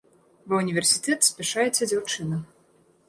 Ва ўніверсітэт спяшаецца дзяўчына.